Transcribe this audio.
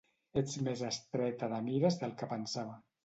Ets més estreta de mires del que pensava.